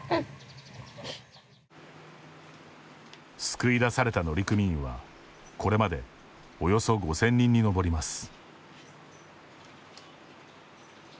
救い出された乗組員はこれまでおよそ５０００人に上ります。